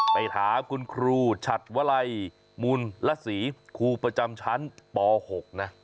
ไปถามคุณครูฉัดวลัยมูลละศรีครูประจำชั้นป๖นะ